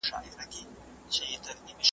چي پر مځكه انسانان وي دا به كېږي